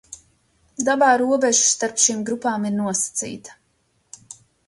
Dabā robeža starp šīm grupām ir nosacīta.